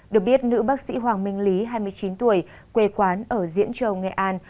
được biết nữ bác sĩ hoàng minh lý hai mươi chín tuổi quê quán ở diễn châu nghệ an